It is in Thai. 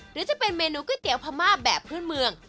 หรือจะเป็นเมนูก๋วยเตี๋ยวพม่าแบบพื้นเมือง